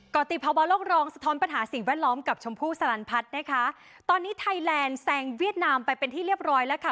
กรติภาวะโลกรองสะท้อนปัญหาสิ่งแวดล้อมกับชมพู่สลันพัฒน์นะคะตอนนี้ไทยแลนด์แซงเวียดนามไปเป็นที่เรียบร้อยแล้วค่ะ